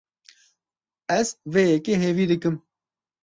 Ez vê yekê hêvî dikim.